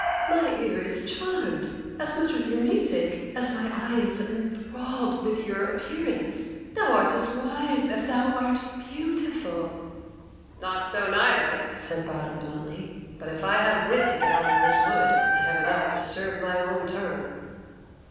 "My ear is charmed as much with your music as my eye is enthralled with your appearance. Thou art as wise as thou art beautiful." [Illustration: "Oh, how I love thee! how I doat on thee!"] "Not so, neither," said Bottom bluntly; "but if I had wit to get out of this wood I have enough to serve my own turn."